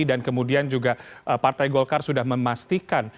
dan kemudian juga partai golkar sudah memastikan